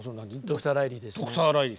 ドクター・ライリーですね。